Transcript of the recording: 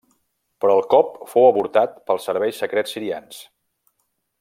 Però el cop fou avortat pels serveis secrets sirians.